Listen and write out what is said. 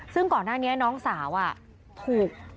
ซึ่งก่อนหน้านี้น้องสาวถูก